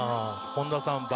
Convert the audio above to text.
本田さん「×」。